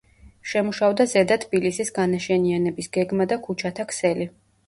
შემუშავდა „ზედა თბილისის“ განაშენიანების გეგმა და ქუჩათა ქსელი.